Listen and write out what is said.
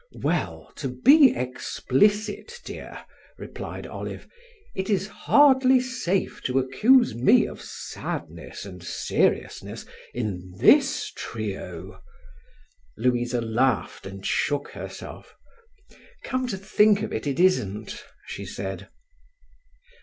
"Well, to be explicit, dear," replied Olive, "it is hardly safe to accuse me of sadness and seriousness in this trio." Louisa laughed and shook herself. "Come to think of it, it isn't," she said.